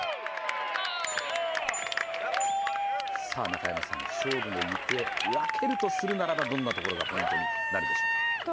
中山さん、勝負の行方を分けるとすれば、どんなところがポイントになるでしょうか？